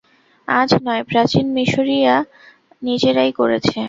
আজ নয়, প্রাচীন মিসরীরা নিজেরাই করেছে।